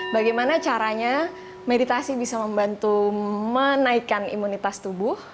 bagaimana caranya meditasi bisa membantu menaikkan imunitas tubuh